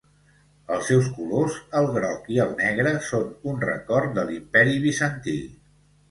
Els seus colors, el groc i el negre són un record de l'imperi Bizantí.